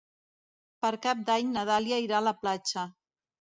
Per Cap d'Any na Dàlia irà a la platja.